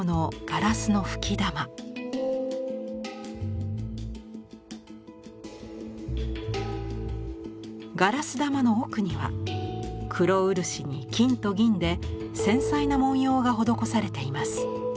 ガラス玉の奥には黒漆に金と銀で繊細な文様が施されています。